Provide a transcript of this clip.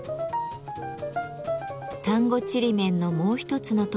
丹後ちりめんのもう一つの特徴